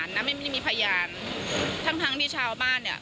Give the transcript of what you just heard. ถนายรุนรงค์บอกว่า